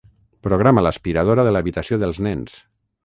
Programa l'aspiradora de l'habitació dels nens.